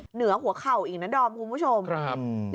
เหนือหัวเข่าอีกนะดอมคุณผู้ชมครับ